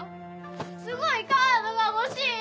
すごいカードが欲しい！